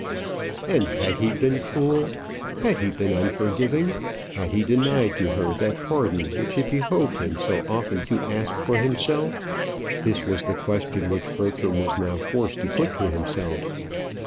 And had he been cruel? had he been unforgiving? had he denied to her that pardon which it behoved him so often to ask for himself? This was the question which Bertram was now forced to put to himself.